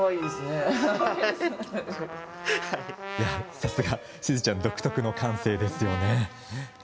さすが、しずちゃん独特の感性ですね。